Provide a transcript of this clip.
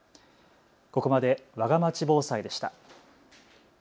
ここまでわがまち防災でした。